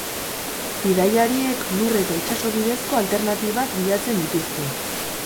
Bidaiariek lur eta itsaso bidezko alternatibak bilatzen dituzte.